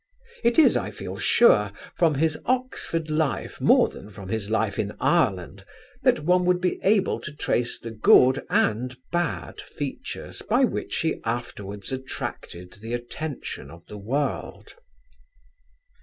It is, I feel sure, from his Oxford life more than from his life in Ireland that one would be able to trace the good and bad features by which he afterwards attracted the attention of the world."